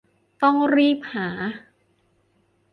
ต้องรีบหา